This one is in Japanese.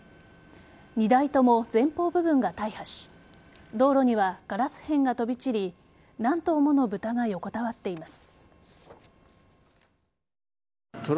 ２台とも前方部分が大破し道路にはガラス片が飛び散り何頭もの豚が横たわっています。